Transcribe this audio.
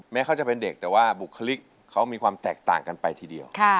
เขาจะเป็นเด็กแต่ว่าบุคลิกเขามีความแตกต่างกันไปทีเดียว